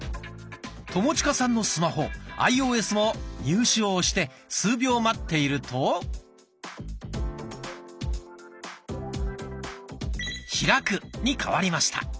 友近さんのスマホアイオーエスも入手を押して数秒待っていると「開く」に変わりました。